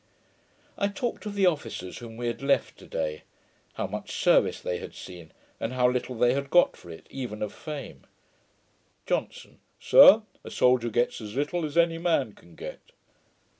I talked of the officers whom we had left to day; how much service they had seen, and how little they got for it, even of fame. JOHNSON. 'Sir, a soldier gets as little as any man can get.'